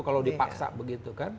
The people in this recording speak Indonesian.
kalau dipaksa begitu kan